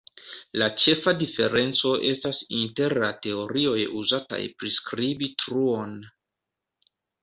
La ĉefa diferenco estas inter la teorioj uzataj priskribi truon.